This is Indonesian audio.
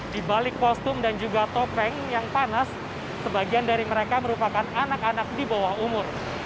di balik kostum dan juga topeng yang panas sebagian dari mereka merupakan anak anak di bawah umur